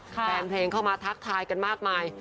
แฟนเพลงเข้ามาทักทายกันมากมาย